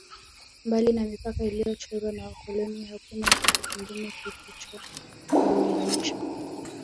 Mbali na mipaka iliyochorwa na wakoloni hakuna kitu kingine kilichoyaunganisha